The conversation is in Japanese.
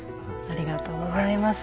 ありがとうございます。